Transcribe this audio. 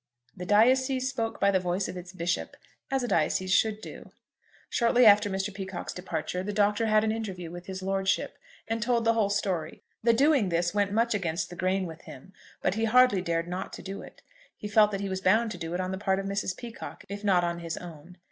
The diocese spoke by the voice of its bishop, as a diocese should do. Shortly after Mr. Peacocke's departure, the Doctor had an interview with his lordship, and told the whole story. The doing this went much against the grain with him, but he hardly dared not to do it. He felt that he was bound to do it on the part of Mrs. Peacocke if not on his own.